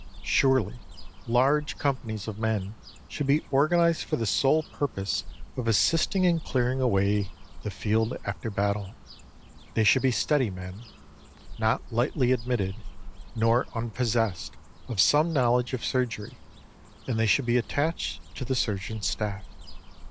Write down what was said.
Surely large companies of men should be organized for the sole purpose of assisting and clearing away the field after battle. They should be steady men, not lightly admitted, nor unpossessed of some knowledge of surgery, and they should be attached to the surgeon's staff.